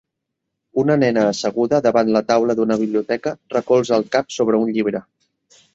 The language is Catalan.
Una nena asseguda davant la taula d'una biblioteca recolza el cap sobre un llibre.